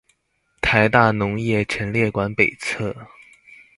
臺大農業陳列館北側